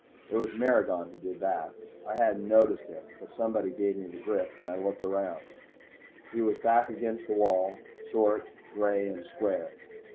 It was Maragon who did that. I hadn't noticed him, but somebody gave me the grip, and I looked around. He was back against the wall, short, gray and square.